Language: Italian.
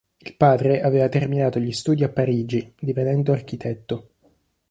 Il padre aveva terminato gli studi a Parigi, divenendo architetto.